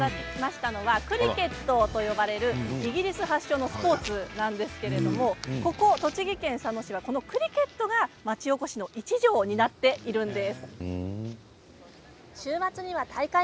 今ご覧いただいたのはクリケットと呼ばれるイギリス発祥のスポーツなんですけれどもここ栃木県佐野市はクリケットが町おこしの一助になっているんです。